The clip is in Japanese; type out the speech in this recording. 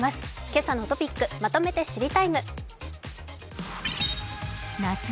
今朝のトピックまとめて「知りＴＩＭＥ，」。